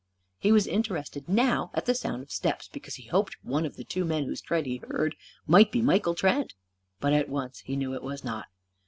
He was interested now at the sound of steps, because he hoped one of the two men whose tread he heard might be Michael Trent. But at once he knew it was not.